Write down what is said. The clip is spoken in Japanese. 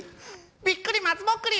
「びっくり松ぼっくり」